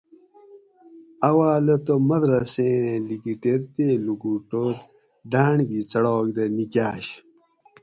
اواۤلہ تہ مدرسہۤ ایں لِکِٹیر تے لُکوُٹور ڈاۤنڑ گی څڑاک دہ نِکاۤش